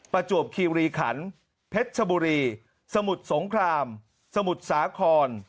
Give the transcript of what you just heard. ประจวบคีรีขันเพชรชบุรีสมุทรสงครามสมุทรสาคร